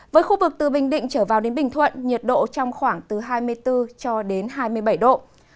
với khu vực từ bình định trở vào đến bình thuận nhiệt độ trong khoảng từ hai mươi bốn cho đến hai mươi bảy độ